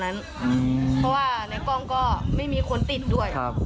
เพราะว่าในกล้องก็ไม่มีคนติดด้วย